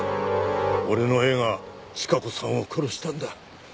俺の絵が千加子さんを殺したんだ。